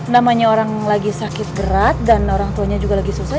namanya orang lagi sakit berat dan orang tuanya juga lagi susah